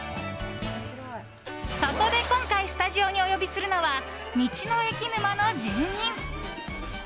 そこで今回スタジオにお呼びするのは道の駅沼の住人。